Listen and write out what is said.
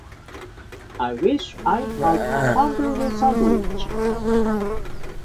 I wish I had a hamburger sandwich.